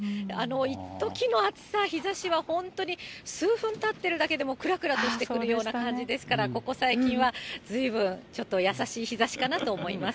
いっときの暑さ、日ざしは本当に数分立ってるだけでも、くらくらとしてくるような感じですから、ここ最近はずいぶん、ちょっと優しい日ざしかなと思います。